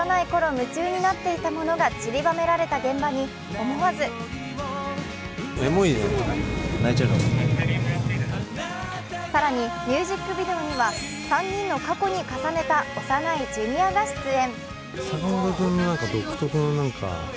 夢中になっていたものがちりばめられた現場に思わず更に、ミュージックビデオには３人の過去に重ねた幼いジュニアが出演。